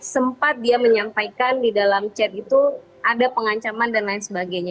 sempat dia menyampaikan di dalam chat itu ada pengancaman dan lain sebagainya